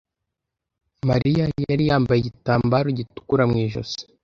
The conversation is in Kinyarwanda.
Mariya yari yambaye igitambaro gitukura mu ijosi.